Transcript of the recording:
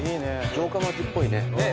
城下町っぽいね。